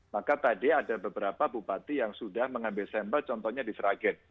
maka tadi ada beberapa bupati yang sudah mengambil sampel contohnya di sragen